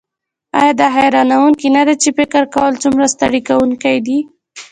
ایا دا حیرانوونکې نده چې فکر کول څومره ستړي کونکی دي